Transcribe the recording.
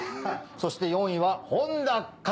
そして４位は本多華鈴！